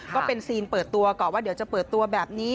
ก็เป็นซีนเปิดตัวก่อนว่าเดี๋ยวจะเปิดตัวแบบนี้